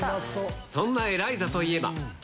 そんなエライザといえば。